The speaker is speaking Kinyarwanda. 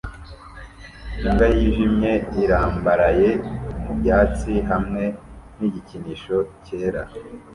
Imbwa yijimye irambaraye mu byatsi hamwe n igikinisho cyera